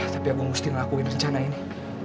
tapi aku mesti ngelakuin rencana ini